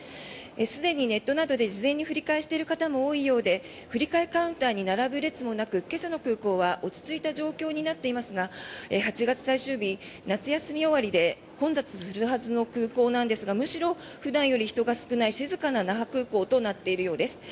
すでにネットなどで事前に振り替えしている方も多いようで振り替えカウンターに並ぶ列もなく今朝の空港は落ち着いた状況になっていますが８月最終日夏休み終わりで混雑するはずの空港なんですがむしろ普段より人が少ない静かな那覇空港となっているようです。